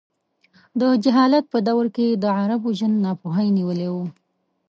د جهالت په دوره کې د عربو ژوند ناپوهۍ نیولی و.